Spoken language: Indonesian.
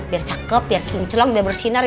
biar cakep biar kincelong biar bersinar